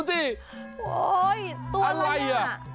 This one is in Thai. โห้ยตัวไรเนี่ย